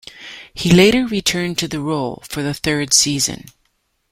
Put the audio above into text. He later returned to the role for the third season.